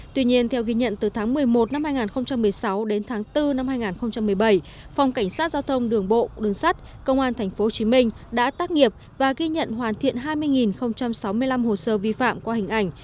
tuy nhiên theo ghi nhận từ tháng một mươi một năm hai nghìn một mươi sáu đến tháng bốn năm hai nghìn một mươi bảy phòng cảnh sát giao thông đường bộ đường sắt công an tp hcm đã tác nghiệp và ghi nhận hoàn thiện hai mươi sáu mươi năm hồ sơ vi phạm qua hình ảnh